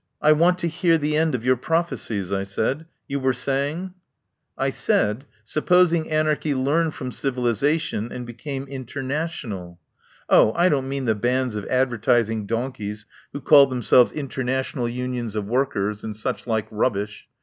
"I want to hear the end of your prophe cies," I said. "You were saying ?" "I said — supposing anarchy learned from civilisation and became international. Oh, I don't mean the bands of advertising donkeys who call themselves International Unions of 7 8 TELLS OF A MIDSUMMER NIGHT Workers and such like rubbish.